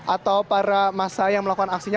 atau para masa yang melakukan aksinya